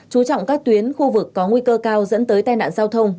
chú trọng các tuyến khu vực có nguy cơ cao dẫn tới tai nạn giao thông